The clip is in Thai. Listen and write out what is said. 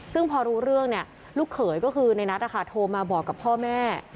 ซึ่งพอรู้เรื่องลูกเขยก็คือในนัทโทรมาบอกกับพ่อแม่